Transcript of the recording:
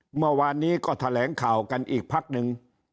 เมื่อวานนี้ก็แถลงข่าวกันอีกพักหนึ่ง